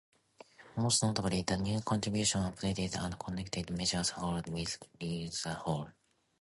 Most notably, the new construction updated and connected Meggers Hall with Ritzinger Hall.